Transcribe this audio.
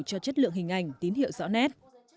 cho chất lượng hình ảnh tín hiệu rõ nét